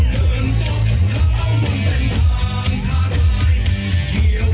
เดินตกเท้าบนเส้นทางถ้าใกล้